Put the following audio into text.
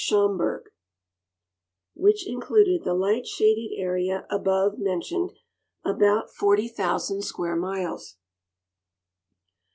Schomburgk, which included the light shaded area above mentioned, about 40,000 square miles.